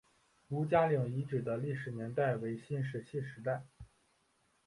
吴家岭遗址的历史年代为新石器时代。